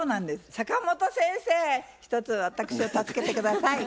坂本先生ひとつ私を助けて下さい。